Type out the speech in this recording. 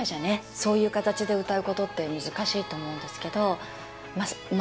そういうかたちで歌うことって難しいと思うんですけどま